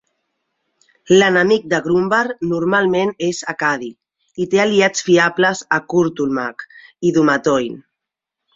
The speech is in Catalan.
L'enemic de Grumbar normalment és Akadi, i té aliats fiables a Kurtulmak i Dumathoin.